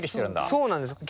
そうなんですよ。